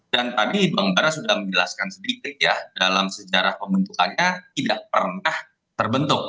dan tadi bang farah sudah menjelaskan sedikit ya dalam sejarah pembentukannya tidak pernah terbentuk